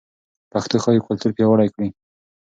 پښتو ښايي کلتور پیاوړی کړي.